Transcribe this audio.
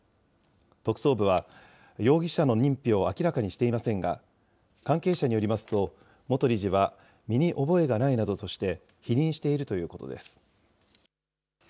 特捜部は、容疑者の認否を明らかにしていませんが、関係者によりますと、元理事は身に覚えがないなどとして、否認しているということです。